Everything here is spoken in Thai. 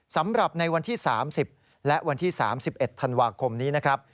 สำหรับในวันที่๓๐และวันที่๓๑ธันวาคมนี้นะครับ